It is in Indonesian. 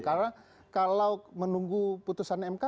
karena kalau menunggu putusan mk